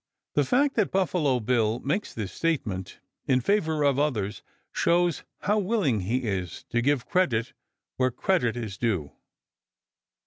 The fact that Buffalo Bill makes this statement in favor of others shows how willing he is to give credit where credit is due.